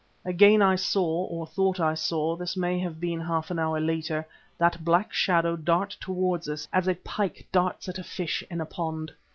Again I saw, or thought I saw this may have been half an hour later that black shadow dart towards us, as a pike darts at a fish in a pond.